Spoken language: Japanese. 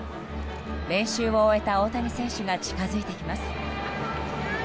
練習を終えた大谷選手が近づいてきます。